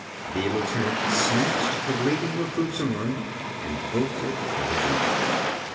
The lieutenant snatched the bleeding recruit's arm and bolted for the jeep.